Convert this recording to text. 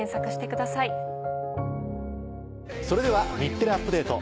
それでは『日テレアップＤａｔｅ！』